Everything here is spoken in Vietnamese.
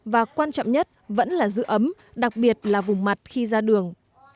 và quan trọng nhất vẫn là giữ ấm đặc biệt là vùng mặt khi ra đường